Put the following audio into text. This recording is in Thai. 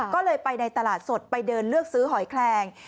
ก็เลยไปในตลาดสดไปเดินเลือกซื้อหอยแคลง